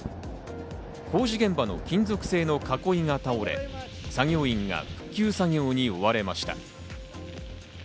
工事現場の金属製の囲いが倒れ、作業員が復旧作業に追われました。